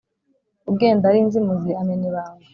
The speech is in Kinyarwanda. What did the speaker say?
ugenda ari inzimuzi amena ibanga,